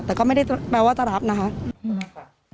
แต่ก็ไม่ได้แปลว่าจะรับนะคะ